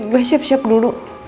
gue siap siap dulu